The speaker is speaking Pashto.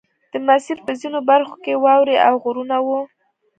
د مسیر په ځینو برخو کې واورې او غرونه وو